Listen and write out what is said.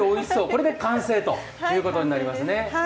これで完成ということになりますね。